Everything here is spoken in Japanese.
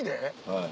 はい。